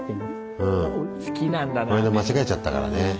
この間間違えちゃったからね。